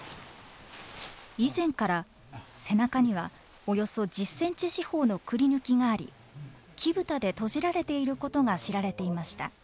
以前から背中にはおよそ１０センチ四方のくりぬきがあり木蓋で閉じられていることが知られていました。